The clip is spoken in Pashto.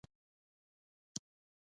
نوي ټکنالوژي زده کړئ